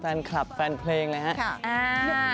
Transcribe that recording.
แฟนคลับแฟนเพลงเลยครับ